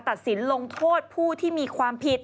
ตัดสินลงโทษผู้ที่มีความผิด